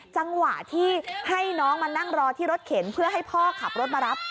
จังหวะที่ให้น้องมานั่งรอที่รถเข็นเพื่อให้พ่อขับรถมารับ